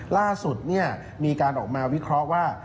ล่าสุดมีการออกมาวิเคราะห์ว่า